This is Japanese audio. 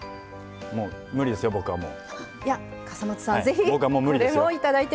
無理ですよ、僕はもう。